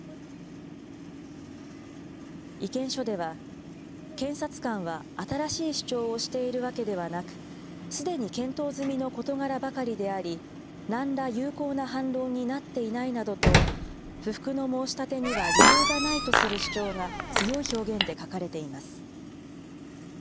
意見書では、検察官は新しい主張をしているわけではなく、すでに検討済みの事柄ばかりであり、何ら有効な反論になっていないなどと、不服の申し立てには理由がないとする主張が強い表現で書かれています。